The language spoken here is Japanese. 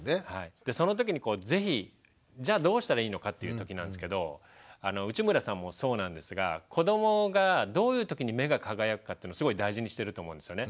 でその時に是非じゃあどうしたらいいのかっていう時なんですけど内村さんもそうなんですが子どもがどういう時に目が輝くかっていうのをすごい大事にしてると思うんですよね。